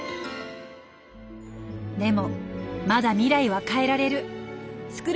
でもまだ未来は変えられる！